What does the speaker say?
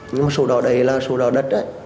nhưng mà sổ đỏ đấy là sổ đỏ đất đấy